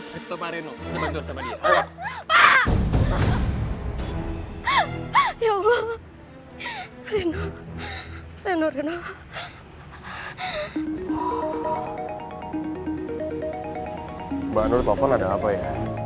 hai yang belum penuh penuh baru topol ada apa ya